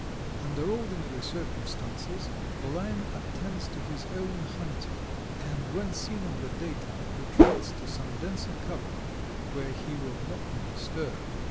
Under ordinary circumstances the Lion attends to his own hunting, and when seen in the daytime retreats to some denser cover where he will not be disturbed.